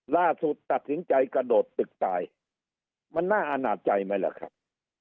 ล่าสุดตัดสินใจกระโดดตึกตายมันน่าอาณาจใจไหมล่ะครับ